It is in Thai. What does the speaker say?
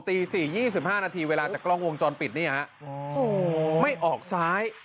ตีสี่ยี่สิบห้านาทีเวลาจากกล้องวงจรปิดนี่ฮะโหไม่ออกซ้าย